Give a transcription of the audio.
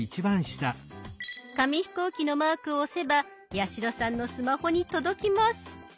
紙飛行機のマークを押せば八代さんのスマホに届きます。